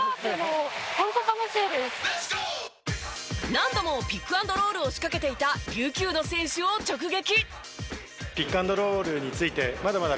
何度もピックアンドロールを仕掛けていた琉球の選手を直撃！